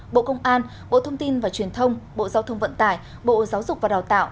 bộ công an bộ thông tin và truyền thông bộ giao thông vận tải bộ giáo dục và đào tạo